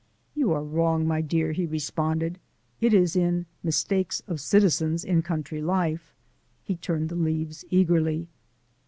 "You are wrong, my dear," he responded, "it is in 'Mistakes of Citizens in Country Life.'" He turned the leaves eagerly.